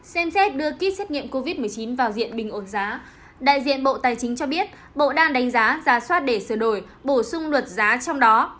xem xét đưa kýt xét nghiệm covid một mươi chín vào diện bình ổn giá đại diện bộ tài chính cho biết bộ đang đánh giá giả soát để sửa đổi bổ sung luật giá trong đó